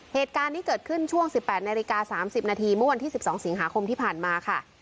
เหตุการณ์นี้เกิดขึ้นช่วง๑๘นาฬิกา๓๐นาทีเมื่อวันที่๑๒สิงหาคมที่ผ่านมาค่ะ